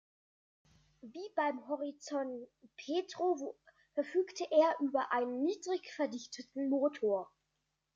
Wie beim Horizon Petro verfügte er über einen niedrig verdichteten Motor.